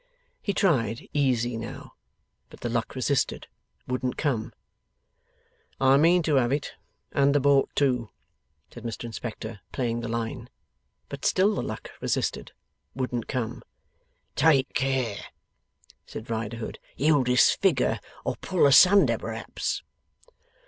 He tried easy now; but the luck resisted; wouldn't come. 'I mean to have it, and the boat too,' said Mr Inspector, playing the line. But still the luck resisted; wouldn't come. 'Take care,' said Riderhood. 'You'll disfigure. Or pull asunder perhaps.